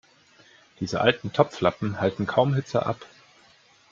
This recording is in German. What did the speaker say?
Diese alten Topflappen halten kaum Hitze ab.